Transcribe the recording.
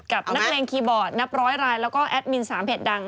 กับนักเลงคีย์บอร์ดนับร้อยรายแล้วก็แอดมิน๓เพจดัง